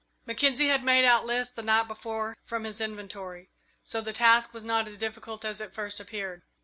Mackenzie had made out lists the night before from his inventory, so the task was not as difficult as it first appeared.